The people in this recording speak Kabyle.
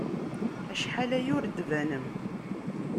Acḥal aya ur d-tbanem.